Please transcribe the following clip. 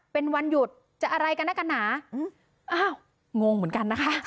เป็นวันหยุดจะอะไรกันนะกันหนาอ้าวงงเหมือนกันนะคะ